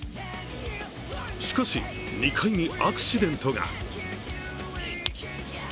しかし、２回にアクシデントが。